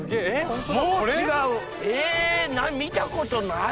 見たことない！